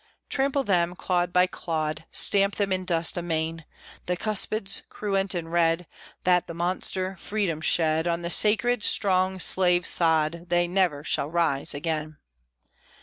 Trample them, clod by clod, Stamp them in dust amain! The cuspids, cruent and red, That the Monster, Freedom, shed On the sacred, strong Slave Sod They never shall rise again!